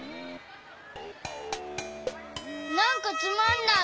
なんかつまんない。